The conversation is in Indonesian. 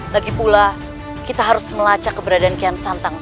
lagipula kita harus melacak keberadaan kian santan